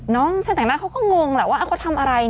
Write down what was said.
น้องช่างแต่งหน้าเขาก็งงแหละว่าเขาทำอะไร